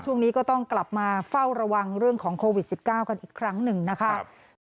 ช่วงนี้ก็ต้องกลับมาเฝ้าระวังเรื่องของโควิด๑๙กันอีกครั้งหนึ่งนะคะ